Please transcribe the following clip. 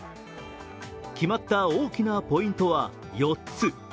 決まった大きなポイントは４つ。